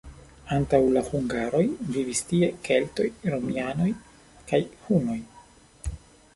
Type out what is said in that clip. Antaŭ la hungaroj vivis tie keltoj, romianoj kaj hunoj.